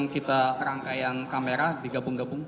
kita rangkaian kamera digabung gabung